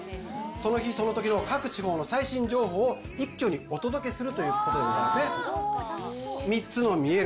その日その時の各地方の最新情報を一挙にお届けするということでございますね「３つのみえる！」